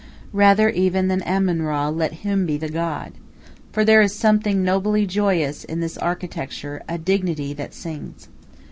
Rather even than Amun Ra let him be the god. For there is something nobly joyous in this architecture, a dignity that sings.